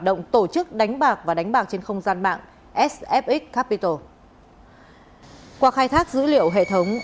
động tổ chức đánh bạc và đánh bạc trên không gian mạng sf capital qua khai thác dữ liệu hệ thống